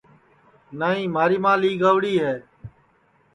نائی مھاری ماں لی گئوڑی ہے